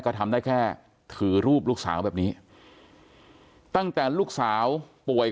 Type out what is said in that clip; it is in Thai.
ก็ทำได้แค่ถือรูปลูกสาวแบบนี้ตั้งแต่ลูกสาวป่วย